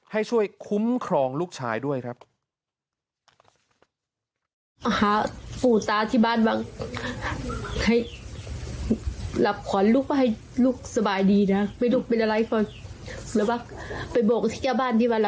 ให้ช่วยคุ้มครองลูกชายด้วยครับ